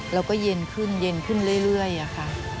เราก็เย็นขึ้นขึ้นเรื่อยค่ะ